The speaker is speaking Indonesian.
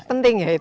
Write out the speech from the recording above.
penting ya itu